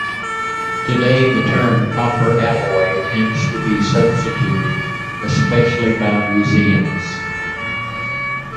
Today the term "copper alloy" tends to be substituted, especially by museums.